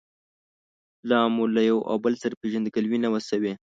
لا مو له یو او بل سره پېژندګلوي نه وه شوې.